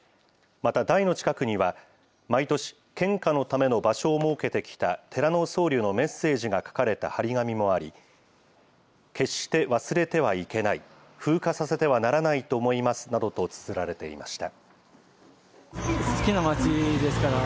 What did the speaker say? また台の近くには、毎年、献花のための場所を設けてきた寺の僧侶のメッセージが書かれた貼り紙もあり、決して忘れてはいけない、風化させてはならないと思いますなどとつづられていました。